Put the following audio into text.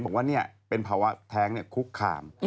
บอกว่าเนี่ยเป็นภาวะแท้งคุกขาม